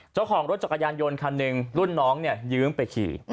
เจ้าของรถจักรยานยนต์คันหนึ่งรุ่นน้องเนี่ยยืมไปขี่